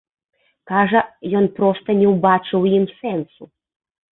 Кажа, ён проста не ўбачыў у ім сэнсу.